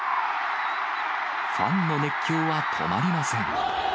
ファンの熱狂は止まりません。